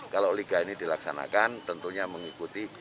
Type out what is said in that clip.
kalau liga ini dilaksanakan tentunya mengikuti